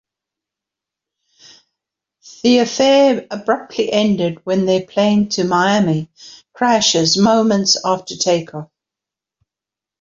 The affair abruptly ended when their plane to Miami crashes moments after take off.